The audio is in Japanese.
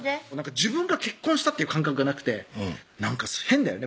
自分が結婚したっていう感覚がなくてなんか変だよね